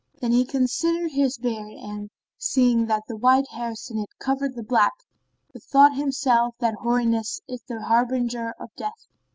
Then he considered his beard and, seeing that the white hairs in it covered the black, bethought himself that hoariness is the harbinger of death.